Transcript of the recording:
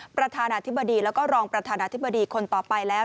ประธานาธิบดีแล้วก็รองประธานาธิบดีคนต่อไปแล้ว